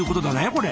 これ。